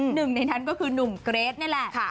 หนึ่งในนั้นก็คือหนุ่มเกรทนี่แหละ